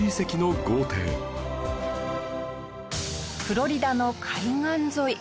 フロリダの海岸沿い。